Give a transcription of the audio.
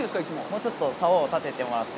もうちょっと、さおを立ててもらって。